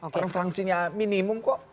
karena sanksinya minimum kok